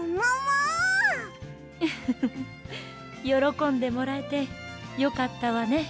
フフフッよろこんでもらえてよかったわね